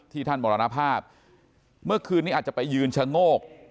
ท่านมรณภาพเมื่อคืนนี้อาจจะไปยืนชะโงก